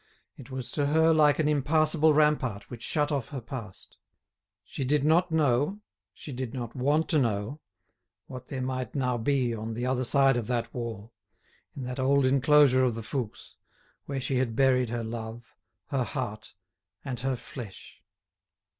It was, to her, like an impassable rampart, which shut off her past. She did not know—she did not want to know—what there might now be on the other side of that wall, in that old enclosure of the Fouques, where she had buried her love, her heart and her flesh.